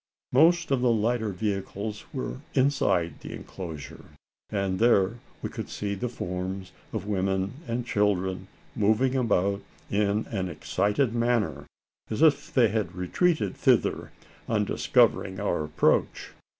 Most of the lighter vehicles were inside the enclosure; and there we could see the forms of women and children moving about in an excited manner as if they had retreated thither on discovering our approach.